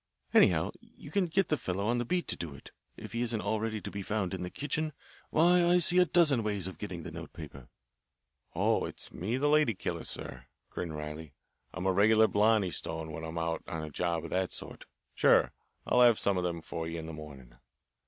Anyhow, you can get the fellow on the beat to do it if he isn't already to be found in the kitchen. Why, I see a dozen ways of getting the notepaper." "Oh, it's me that's the lady killer, sir," grinned Riley. "I'm a regular Blarney stone when I'm out on a job of that sort. Sure, I'll have some of them for you in the morning."